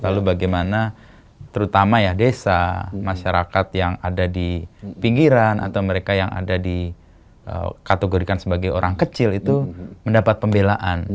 lalu bagaimana terutama ya desa masyarakat yang ada di pinggiran atau mereka yang ada dikategorikan sebagai orang kecil itu mendapat pembelaan